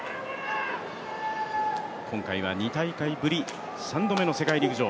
今回は２大会ぶり３度目の世界陸上。